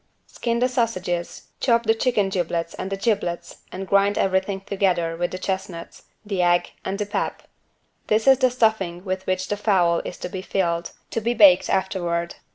Skin the sausages, chop the chicken giblets and the giblets and grind everything together with the chestnuts, the egg and the pap; this is the stuffing with which the fowl is to be filled, to be baked afterward.